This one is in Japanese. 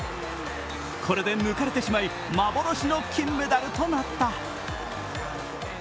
これで抜かれてしまい幻の金メダルとなった。